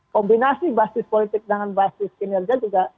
kombinasi basis politik dengan basis kinerja juga